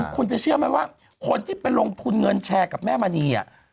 คุณจะเชื่อไหมว่าคนที่ไปลงทุนเงินแชร์กับแม่มณี